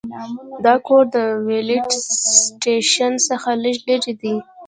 دا کور د ویلډ سټیشن څخه لږ لرې دی